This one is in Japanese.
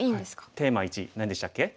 テーマ１何でしたっけ？